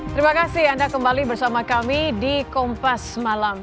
terima kasih anda kembali bersama kami di kompas malam